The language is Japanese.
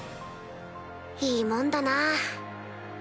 いいもんだなぁ。